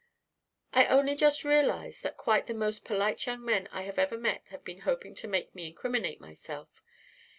"I only just realise that quite the most polite young men I have ever met have been hoping to make me incriminate myself.